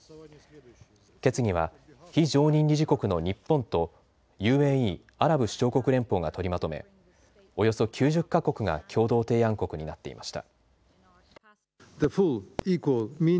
決議は非常任理事国の日本とＵＡＥ・アラブ首長国連邦が取りまとめ、およそ９０か国が共同提案国になっていました。